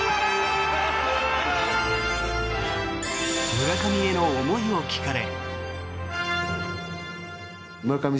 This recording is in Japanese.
村上への思いを聞かれ。